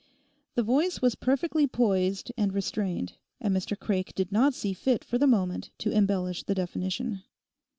The voice was perfectly poised and restrained, and Mr Craik did not see fit for the moment to embellish the definition.